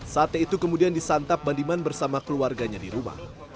sate itu kemudian disantap bandiman bersama keluarganya di rumah